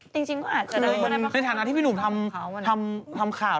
จริงก็อาจจะได้ไม่ได้ประคาวนี้ในฐานะที่พี่หนูทำข่าว